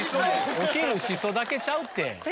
お昼しそだけちゃうって。